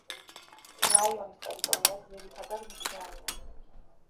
რაიონის ტერიტორია ძირითადად მთიანია.